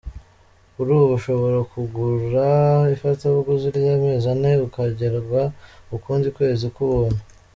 Kuri ubu ushobora kugura ifatabuguzi ry’amezi ane ukongererwa ukundi kwezi ku buntu.